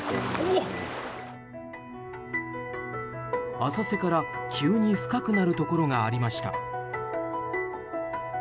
浅瀬から急に深くなるところがありました。